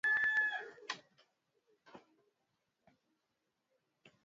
yaliyoongozwa na wanajeshi wa Tanzania Malawi jamhuri ya kidemokrasia ya Kongo na Afrika kusini